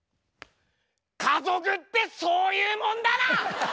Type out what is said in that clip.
家族ってそういうもんだな！